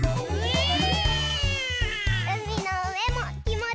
うみのうえもきもちいいな！